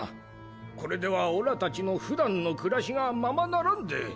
これではオラ達の普段の暮らしがままならんで。